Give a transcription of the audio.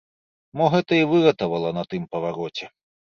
Мо гэта і выратавала на тым павароце.